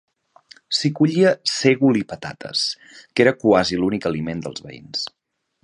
S'hi collia sègol i patates, que era quasi l'únic aliment dels veïns.